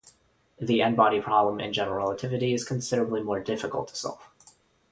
The "n"-body problem in general relativity is considerably more difficult to solve.